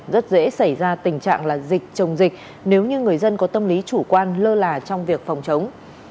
rất dễ xảy ra tình trạng là dịch chồng dịch nếu như người dân có tâm lý chủ quan lơ là trong việc phòng chống